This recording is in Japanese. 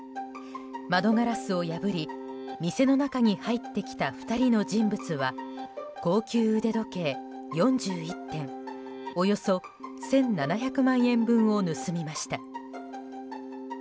窓ガラスを破り店の中に入ってきた２人の人物は高級腕時計４１点およそ１７００万円分を盗みました。